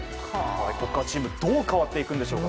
ここからチームどう変わっていくんでしょうか。